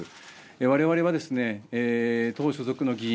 われわれはですね党所属の議員